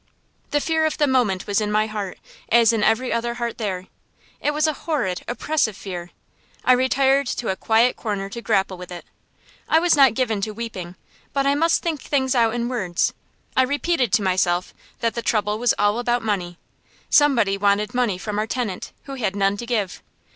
The fear of the moment was in my heart, as in every other heart there. It was a horrid, oppressive fear. I retired to a quiet corner to grapple with it. I was not given to weeping, but I must think things out in words. I repeated to myself that the trouble was all about money. Somebody wanted money from our tenant, who had none to give.